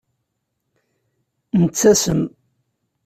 Nettasem.